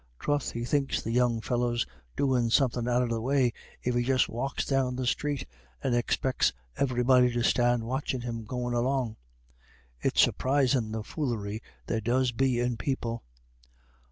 Troth, he thinks the young fellow's doin' somethin' out of the way if he just walks down the street, and expec's everybody to stand watchin' him goin' along. It's surprisin' the foolery there does be in people."